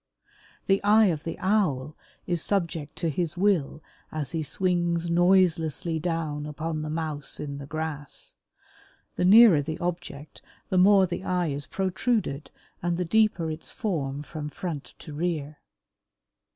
The eye of the Owl is subject to his will as he swings noiselessly down upon the Mouse in the grass. The nearer the object the more the eye is protruded and the deeper its form from front to rear.